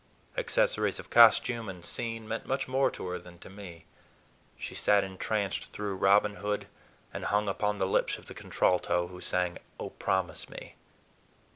Accessories of costume and scene meant much more to her than to me. She sat entranced through "Robin Hood" and hung upon the lips of the contralto who sang, "Oh, Promise Me!"